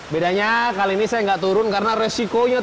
bedanya kali ini saya nggak turun karena resikonya